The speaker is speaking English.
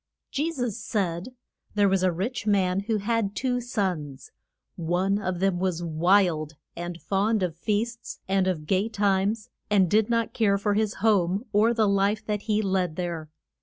JE SUS said, There was a rich man who had two sons. One of them was wild, and fond of feasts and of gay times, and did not care for his home, or the life that he led there.